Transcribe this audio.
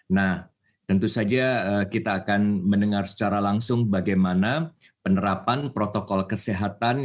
nah tentu saja kita akan mendengar secara langsung bagaimana penerapan protokol kesehatan